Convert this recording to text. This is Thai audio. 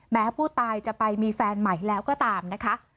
แม้ผู้ตายจะไปมีแฟนใหม่แล้วก็ตามนะคะ